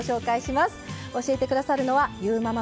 教えて下さるのはゆーママ